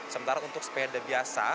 sementara untuk sepeda biasa